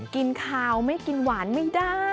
กินขาวไม่กินหวานไม่ได้